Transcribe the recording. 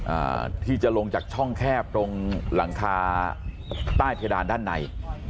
อ่าที่จะลงจากช่องแคบตรงหลังคาใต้เพดานด้านใน